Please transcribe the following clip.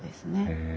へえ。